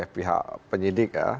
pihak penyidik ya